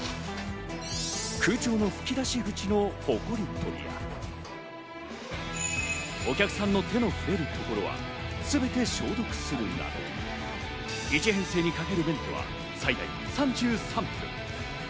空調の吹き出し口のホコリ取りや、お客さんの手の触れるところは全て消毒するなど、１編成にかけるメンテナンスは最大３３分。